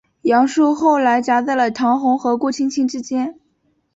杨树后来夹在了唐红和顾菁菁之间。